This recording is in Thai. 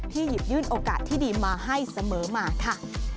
หยิบยื่นโอกาสที่ดีมาให้เสมอมาค่ะ